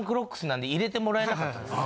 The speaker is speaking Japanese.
なんで入れてもらえなかったんですよ。